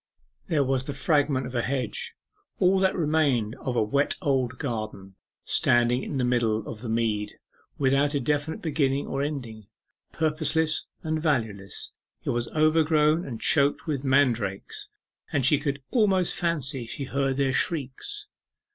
There was the fragment of a hedge all that remained of a 'wet old garden' standing in the middle of the mead, without a definite beginning or ending, purposeless and valueless. It was overgrown, and choked with mandrakes, and she could almost fancy she heard their shrieks....